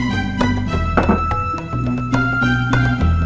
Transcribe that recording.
ikhlas lebih villa